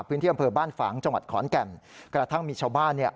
พื้นที่อำเภอบ้านฝางจังหวัดขอนแก่นกระทั่งมีชาวบ้านเนี่ย